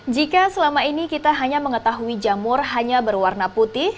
jika selama ini kita hanya mengetahui jamur hanya berwarna putih